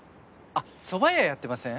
あっそば屋やってません？